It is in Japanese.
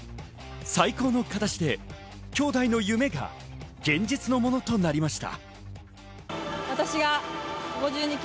最高の形で兄妹の夢が現実のものとなりました。